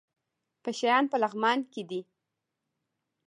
پشه یان په لغمان کې دي؟